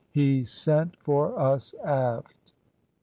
He sent for us aft.